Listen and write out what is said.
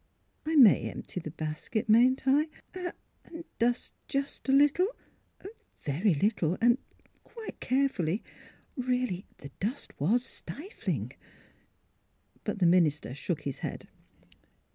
I may empty the basket, mayn't I? and THE HIDDEN PICTURE 7 — and dust just a little — a very little, and quite carefully? Eeally, the dust was stifling." But the minister shook his head.